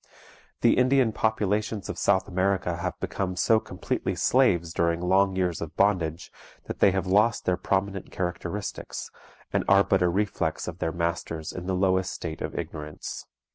The Indian populations of South America have become so completely slaves during long years of bondage that they have lost their prominent characteristics, and are but a reflex of their masters in the lowest state of ignorance.